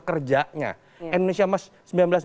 kerjanya indonesia mas seribu sembilan ratus empat puluh lima